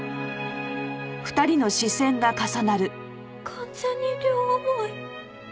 完全に両思い。